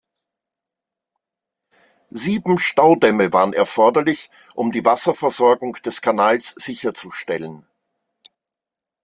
Sieben Staudämme waren erforderlich, um die Wasserversorgung des Kanals sicherzustellen.